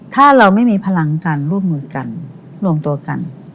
ถ้าเราไม่มีพลังการร่วมมือกันรวมตัวกัน